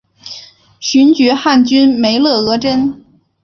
寻擢汉军梅勒额真。